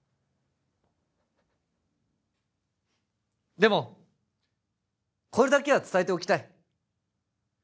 でもこれだけは伝えておきたい